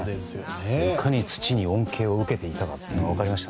いかに土に恩恵を受けていたかが分かりました。